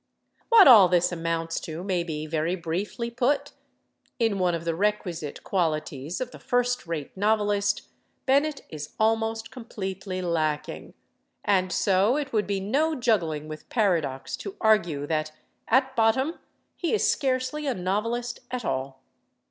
What all this amounts to may be very briefly put: in one of the requisite qualities of the first rate novelist Bennett is almost completely lacking, and so it would be no juggling with paradox to argue that, at bottom, he is scarcely a novelist at all.